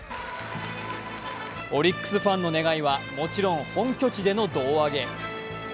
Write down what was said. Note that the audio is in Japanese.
オリックスファンの願いはもちろん本拠地での胴上げ。